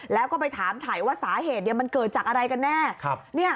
แล้วก็ไปถามถ่ายว่าสาเหตุมันเกิดจากอะไรกันแน่